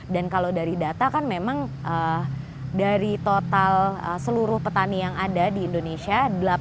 dan kalau dari data kan memang dari total seluruh petani yang ada di indonesia